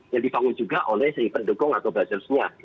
yang dibangun juga oleh si pendukung atau buzzersnya